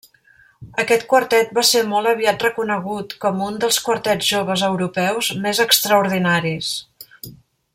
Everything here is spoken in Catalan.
Aquest quartet va ser molt aviat reconegut com un dels quartets joves europeus més extraordinaris.